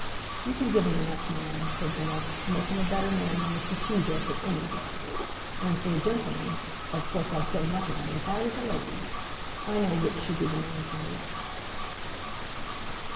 "You can give him enough, ma'am," said Jeannette, "to make him a better man than Mr. Cheesacre any day. And for a gentleman of course I say nothing, but if I was a lady, I know which should be the man for me."